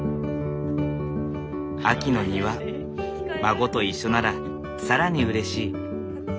秋の庭孫と一緒なら更にうれしい。